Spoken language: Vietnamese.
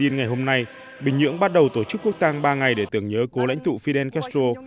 ngày hôm nay bình nhưỡng bắt đầu tổ chức quốc tang ba ngày để tưởng nhớ cố lãnh tụ fidel castro